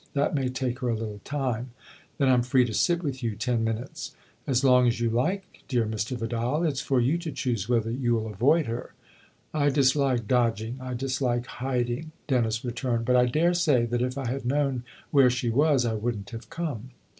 That may take her a little time." " Then I'm free to sit with you ten minutes ?"" As long as you like, dear Mr. Vidal. It's for you to choose whether you'll avoid her." " I dislike dodging I dislike hiding," Dennis returned ;" but I daresay that if I had known where she was I wouldn't have come."